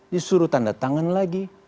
disuruh tanda tangan lagi